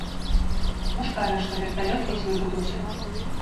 Муж кажа, што верталёт ледзь выпутаўся.